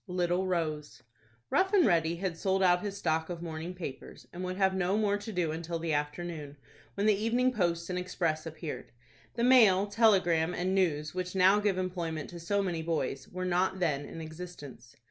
LITTLE ROSE. Rough and Ready had sold out his stock of morning papers, and would have no more to do until the afternoon, when the "Evening Post" and "Express" appeared. The "Mail," "Telegram," and "News," which now give employment to so many boys, were not then in existence.